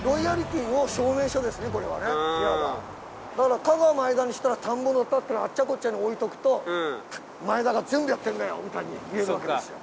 だから加賀前田にしたら田んぼの田をあっちゃこっちゃに置いておくと前田が全部やってるんだよみたいに見えるわけですよ。